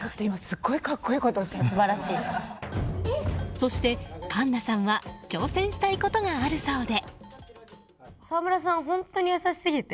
そして、環奈さんは挑戦したいことがあるそうで。